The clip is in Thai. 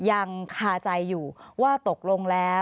อันดับสุดท้ายแก่มือ